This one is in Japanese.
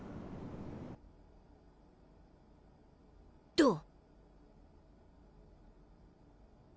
どう？